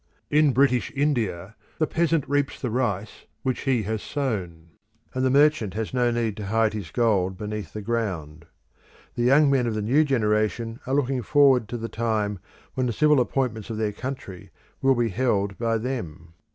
In British India the peasant reaps the rice which he has sown; and the merchant has no need to hide his gold beneath the ground. The young men of the new generation are looking forward to the time when the civil appointments of their country will he held by them.